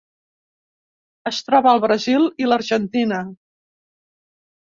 Es troba al Brasil i l'Argentina.